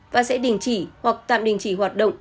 và sẽ đình chỉ hoặc tạm đình chỉ hoạt động